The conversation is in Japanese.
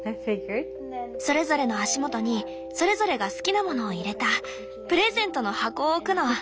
それぞれの足元にそれぞれが好きなものを入れたプレゼントの箱を置くの。